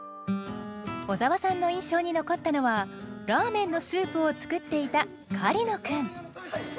小沢さんの印象に残ったのはラーメンのスープを作っていた狩野君。